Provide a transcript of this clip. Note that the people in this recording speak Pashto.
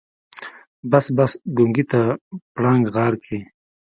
بس بس ګونګي ته پړانګ غار کې.